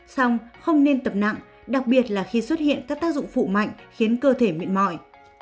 xong không nên tập nặng đặc biệt là khi xuất hiện các tác dụng phụ mạnh khiến cơ thể mệt mỏi